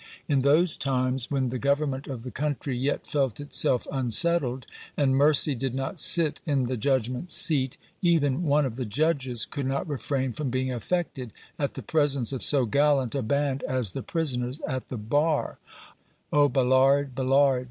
In those times, when the government of the country yet felt itself unsettled, and mercy did not sit in the judgment seat, even one of the judges could not refrain from being affected at the presence of so gallant a band as the prisoners at the bar: "Oh, Ballard, Ballard!"